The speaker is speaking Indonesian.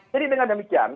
jadi dengan demikian